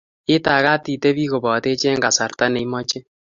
Itagat itepi kopotech eng kasarta ne machei